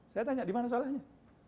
saya tanya di mana salahnya